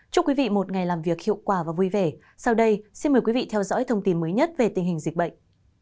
chúc quý vị một ngày làm việc hiệu quả và vui vẻ sau đây xin mời quý vị theo dõi thông tin mới nhất về tình hình dịch bệnh